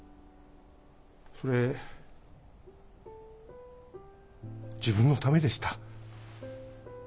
それ自分のためでした。